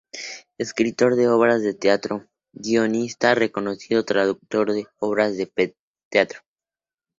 Escritor de obras de teatro, guionista, reconocido traductor de obras de teatro.